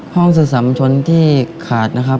ห้องสะสมชนที่ขาดนะครับ